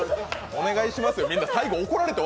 お願いしますよ。